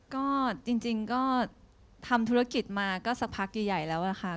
ก็จริงก็ทำธุรกิจมาก็สักพักใหญ่แล้วค่ะ